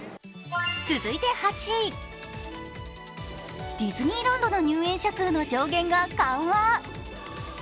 続いて８位、ディズニーランドの入園者数の上限が緩和。